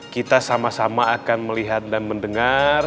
kita sama sama akan melihat dan mendengar